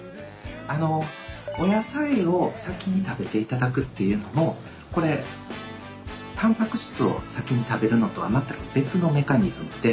あのお野菜を先に食べていただくっていうのもこれたんぱく質を先に食べるのとは全く別のメカニズムで。